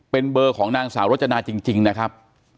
เป็นเบอร์ของนางสาวรจนาจริงนะครับ